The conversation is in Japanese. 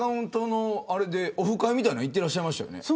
オフ会みたいなの行ってましたよね。